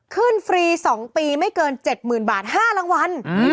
ฟรี๒ปีไม่เกิน๗๐๐๐บาท๕รางวัล